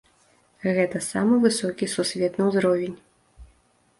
Гэта самы высокі сусветны ўзровень.